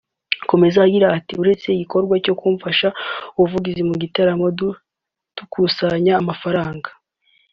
Akomeza agira ati “ Uretse igikorwa cyo kumfasha gukora ubuvugizi mu gitaramo dukusanya amafaranga